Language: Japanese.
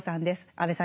安部さん